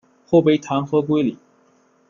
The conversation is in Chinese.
后被弹劾归里。